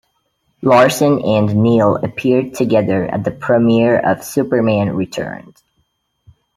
Larson and Neill appeared together at the premiere of "Superman Returns".